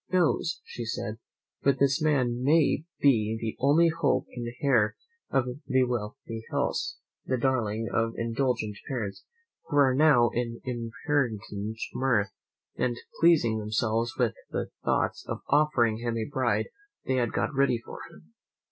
"Who knows," said she, "but this man may be the only hope and heir of a wealthy house; the darling of indulgent parents, who are now in impertinent mirth, and pleasing themselves with the thoughts of offering him a bride they had got ready for him?